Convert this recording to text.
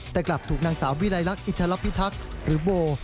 แต่กลับถูกนางสาววิรายรักอิทธาลัพย์พิทักษ์หรือโบล